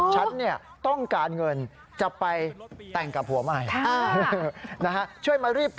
ฉันต้องการเงินจะไปแต่งกับผัวใหม่